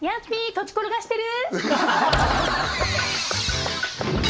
土地転がしてる？